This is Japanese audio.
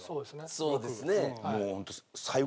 そうですね。